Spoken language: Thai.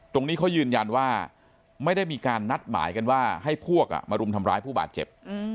ตรงนี้เขายืนยันว่าไม่ได้มีการนัดหมายกันว่าให้พวกมารุมทำร้ายผู้บาดเจ็บ